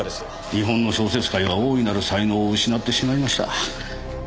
日本の小説界は大いなる才能を失ってしまいました。